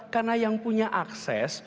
karena yang punya akses